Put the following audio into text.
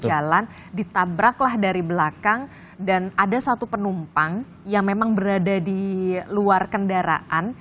jalan ditabraklah dari belakang dan ada satu penumpang yang memang berada di luar kendaraan